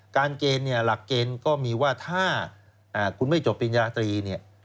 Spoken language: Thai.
การเกณฑ์หลักเกณฑ์ก็มีว่าถ้าคุณไม่จบปริญญาตรี